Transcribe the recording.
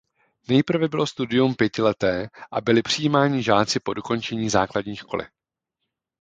Nejprve bylo studium pětileté a byli přijímáni žáci po dokončení základní školy.